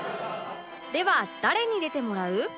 では誰に出てもらう？